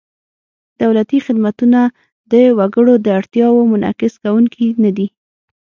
دولتي خدمتونه د وګړو د اړتیاوو منعکس کوونکي نهدي.